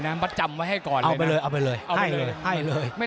เอาไปให้เลย